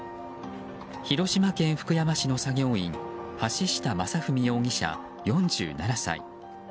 広島県福山市の作業員橋下政史容疑者、４７歳。